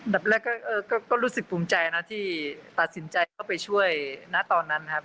แรกก็รู้สึกภูมิใจนะที่ตัดสินใจเข้าไปช่วยณตอนนั้นครับ